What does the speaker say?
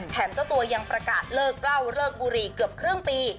เจ้าตัวยังประกาศเลิกเล่าเลิกบุรีเกือบครึ่งปี